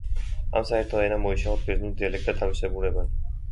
ამ საერთო ენამ მოშალა ბერძნულ დიალექტთა თავისებურებანი.